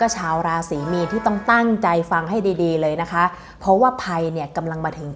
ชาวราศีกัล